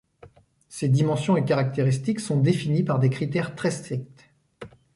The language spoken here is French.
Ces dimensions et caractéristiques sont définies par des critères très stricts.